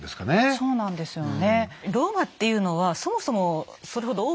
そうなんですよね。